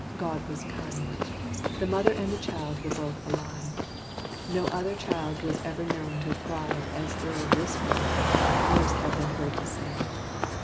God was kind; The mother and the child were both alive; No other child was ever known to thrive As throve this one, nurse had been heard to say.